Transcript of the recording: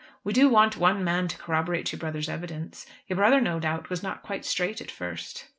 We do want one man to corroborate your brother's evidence. Your brother no doubt was not quite straight at first."